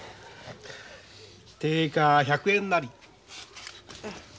定価１００円也。